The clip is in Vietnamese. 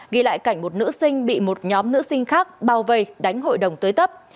ghi lại cảnh một nữ sinh bị một nhóm nữ sinh khác bao vây đánh hội đồng tới tấp